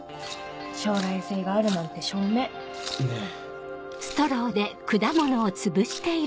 将来性があるなんて証明。ねぇ。